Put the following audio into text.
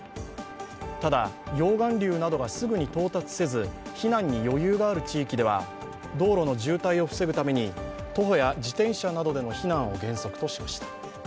ただ、溶岩流などがすぐに到達せず避難に余裕がある地域では道路の渋滞を防ぐために徒歩や自転車などの避難を原則としました。